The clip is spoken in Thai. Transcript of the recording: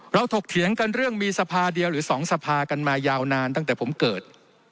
ถกเถียงกันเรื่องมีสภาเดียวหรือสองสภากันมายาวนานตั้งแต่ผมเกิด